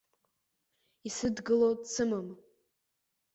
Исыдгыло дсымам!